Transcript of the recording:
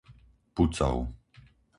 Pucov